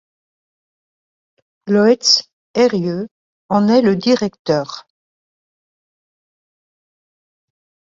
Loeiz Herrieu en est le directeur.